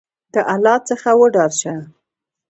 د الله څخه وډار شه !